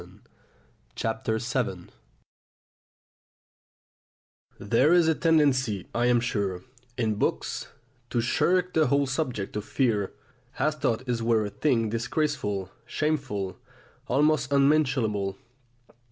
VII FEARS OF BOYHOOD There is a tendency, I am sure, in books, to shirk the whole subject of fear, as though it were a thing disgraceful, shameful, almost unmentionable.